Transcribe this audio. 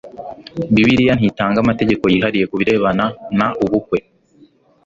Bibiliya ntitanga amategeko yihariye ku birebana n ubukwe